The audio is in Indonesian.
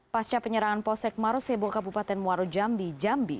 pasca penyerangan posek marosebo kabupaten muaro jambi jambi